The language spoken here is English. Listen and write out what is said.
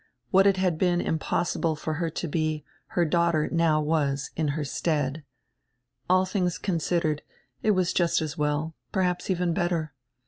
What it had been impossible for her to be, her daughter now was, in her stead. All diings considered, it was just as well, perhaps even better.